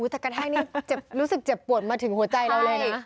อุ๊ยแต่กระแทกนี้รู้สึกเจ็บปวดมาถึงหัวใจเราเลยนะ